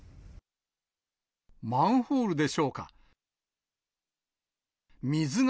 マンホールでしょうか。